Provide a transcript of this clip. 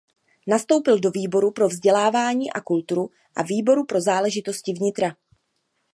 Nastoupil do výboru pro vzdělávání a kulturu a výboru pro záležitosti vnitra.